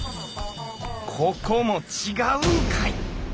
ここも違うんかい！